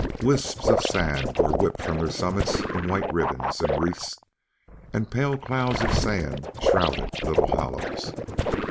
Wisps of sand were whipped from their summits in white ribbons and wreaths, and pale clouds of sand shrouded little hollows.